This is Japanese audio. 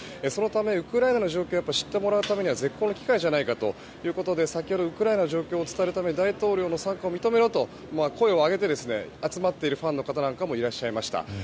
そのためウクライナの状況を知ってもらうためには絶好の機会じゃないかということで先ほどウクライナの状況を伝えるために大統領の参加を認めろと声を上げて集まっているファンの方なんかもいらっしゃいました。